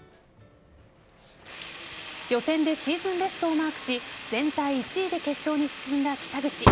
予選でシーズンベストをマークし全体１位で決勝に進んだ北口。